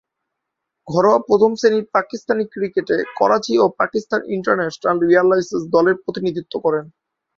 ঘরোয়া প্রথম-শ্রেণীর পাকিস্তানি ক্রিকেটে করাচি ও পাকিস্তান ইন্টারন্যাশনাল এয়ারলাইন্স দলের প্রতিনিধিত্ব করেন।